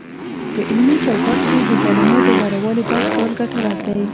په علمي چوکاټ کې د کلمو د غوره والي بحث کول ګټور دی،